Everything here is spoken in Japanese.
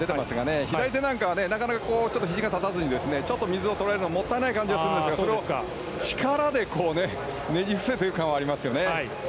左手なんかはひじが立たずにちょっと水をとらえるのもったいない感じがするんですがそれを力でねじ伏せている感はありますよね。